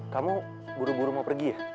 kamu buru buru mau pergi ya